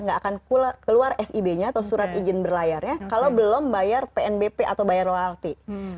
nggak akan keluar sib nya atau surat izin berlayarnya kalau belum bayar pnbp atau bayar royalti